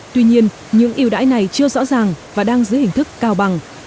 tuy nhiên những yêu đãi này chưa rõ ràng và đang dưới hình thức cao bằng